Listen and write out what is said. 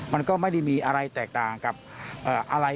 มันก็ไม่ได้มีอะไรแตกต่างกับอะไร